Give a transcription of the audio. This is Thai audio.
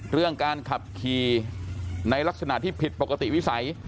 เรื่องการขับขี่ในลักษณะที่ผิดปกติวิสัย